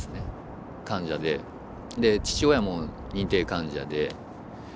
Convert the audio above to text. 父親も認定患者で。